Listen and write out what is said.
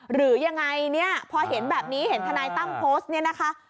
หรือยังไงเนี่ยพอเห็นแบบนี้เห็นทนายตั้มโพสต์เนี่ยนะคะ